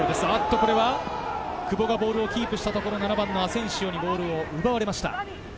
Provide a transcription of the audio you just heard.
これは久保がボールをキープしたところ、アセンシオにボールを奪われました。